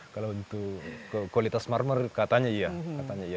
kalau untuk kualitas marmer katanya iya